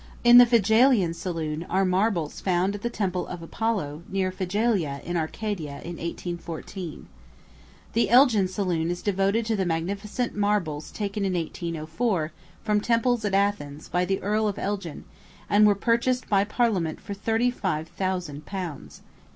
In the Phigalian Saloon are marbles found at a temple of Apollo, near Phigalia, in Arcadia, in 1814. The Elgin Saloon is devoted to the magnificent marbles taken in 1804, from temples at Athens, by the Earl of Elgin, and were purchased by Parliament for thirty five thousand pounds.